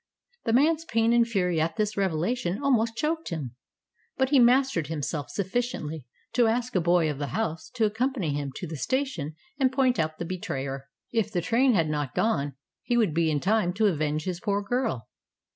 The man's pain and fury at this revelation almost choked him, but he mastered himself sufficiently to ask a boy of the house to accompany him to the station and point out the betrayer. If the train had not gone, he would be in time to avenge his poor girl.